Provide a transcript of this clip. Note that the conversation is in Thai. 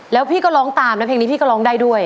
แล้วพี่ก็ร้องตามและเพลงนี้ส่งได้ด้วย